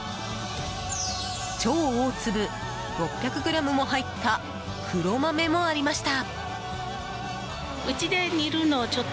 超大粒、６００ｇも入った黒豆もありました。